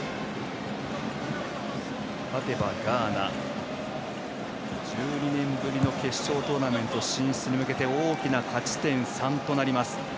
勝てばガーナ、１２年ぶりの決勝トーナメント進出に向けて大きな勝ち点３となります。